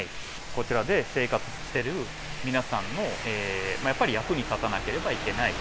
こちらで生活してる皆さんの、やっぱり役に立たなければいけない。